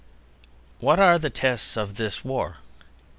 What are the tests of this war?